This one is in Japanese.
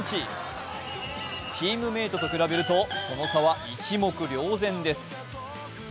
チームメートと比べるとその差は一目瞭然です。